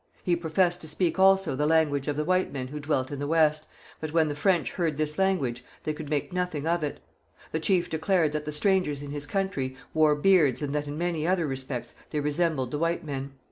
He professed to speak also the language of the white men who dwelt in the West, but when the French heard this language they could make nothing of it. The chief declared that the strangers in his country wore beards and that in many other respects they resembled the white men.